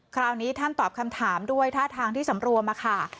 คราวนี้ท่านตอบคำถามด้วยท่าทางที่สำรวมค่ะ